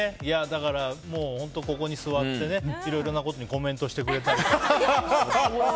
だから、本当ここに座ってねいろいろなことにコメントしてくれたり。